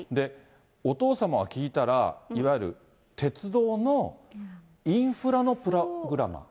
お父様は聞いたら、いわゆる鉄道のインフラのプログラマー？